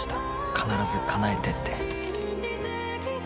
必ずかなえてって。